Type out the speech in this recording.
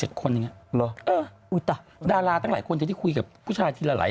หรออุ๊ยต่อดาราตั้งหลายคนที่คุยกับผู้ชายที่หลายคน